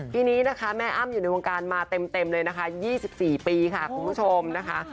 ปีนี้นะคะแม่อ้ำอยู่ในวงการมาเต็มเลยนะคะ๒๔ปีค่ะคุณผู้ชมนะคะ